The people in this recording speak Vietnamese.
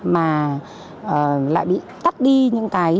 mà lại bị tắt đi những cái